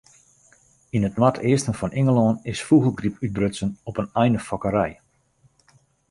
Yn it noardeasten fan Ingelân is fûgelgryp útbrutsen op in einefokkerij.